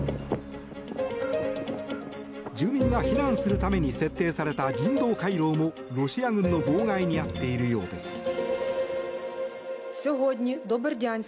住民が避難するために設定された人道回廊もロシア軍の妨害に遭っているようです。